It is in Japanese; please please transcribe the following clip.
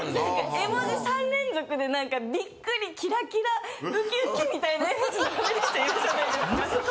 絵文字３連続で何かビックリキラキラウキウキみたいな絵文字並べる人いるじゃないですか。